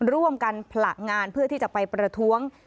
ร่วมกันผละงานเพื่อที่จะไปประท้วง